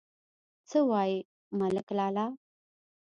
_څه وايې، ملک لالا!